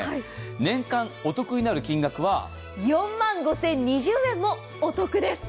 年間お得になる金額は４万５０２０円もお得です。